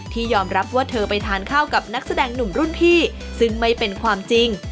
ยอมรับว่าเธอไปทานข้าวกับนักแสดงหนุ่มรุ่นพี่ซึ่งไม่เป็นความจริง